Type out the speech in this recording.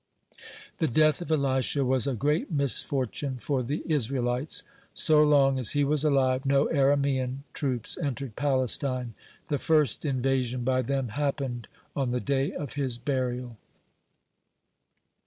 (21) The death of Elisha was a great misfortune for the Israelites. So long as he was alive, no Aramean troops entered Palestine. The first invasion by them happened on the day of his burial.